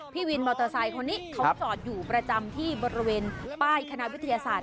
พี่วินมอเตอร์ไซค์คนนี้เขาจอดอยู่ประจำที่บริเวณป้ายคณะวิทยาศาสต